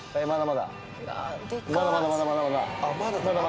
まだまだまだまだまだまだ。